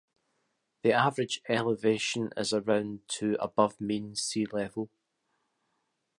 The average elevation is around to above mean sea level.